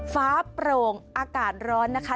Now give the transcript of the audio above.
ฟ้าโปร่งอากาศร้อนนะคะ